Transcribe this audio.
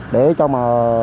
để cho mà